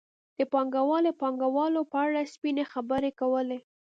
د پانګوالۍ او پانګوالو په اړه سپینې خبرې کولې.